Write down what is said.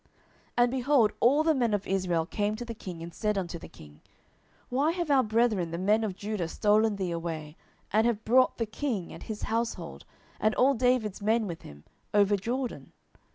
10:019:041 And, behold, all the men of Israel came to the king, and said unto the king, Why have our brethren the men of Judah stolen thee away, and have brought the king, and his household, and all David's men with him, over Jordan?